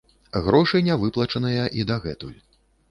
Грошы не выплачаныя і дагэтуль.